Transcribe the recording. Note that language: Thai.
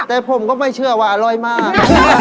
แต่ผมก็ไม่เชื่อว่าอร่อยมาก